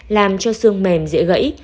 làm cho xương mềm dễ gãy